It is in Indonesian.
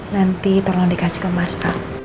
nanti tolong dikasih ke masker